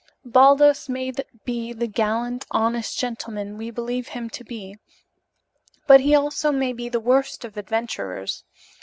Baldos may be the gallant, honest gentleman we believe him to be, but he also may be the worst of adventurers.